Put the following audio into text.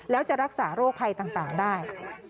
แล้วจะรักษาโรคภัยต่างได้